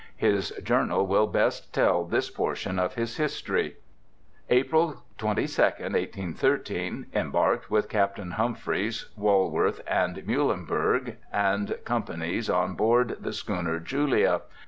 His journal will best tell this portion of his history :' "April22,i8i3.— Embarked with Captain Humphreys, Walworth and Muhlenburg, and companies on board the schooner Julia.